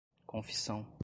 confissão